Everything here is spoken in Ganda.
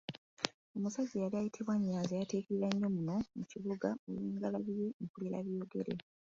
Omusajja eyali ayiytibwa Nnyanzi yayatiikirira nnyo muno mu kibuga olw’engalabi ye Mpulirabyogere.